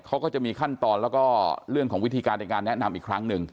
เขาก็จะมีขั้นตอนแล้วก็เรื่องของวิธีการในการแนะนำอีกครั้งหนึ่ง